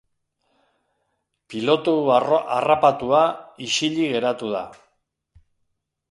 Pilotu harrapatua isilik geratu da.